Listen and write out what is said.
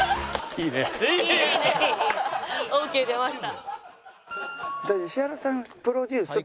オーケー出ました。